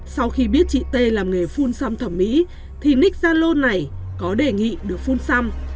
sau khi biết chị t làm nghề phun xăm thẩm mỹ thì nick zalo này có đề nghị được phun xăm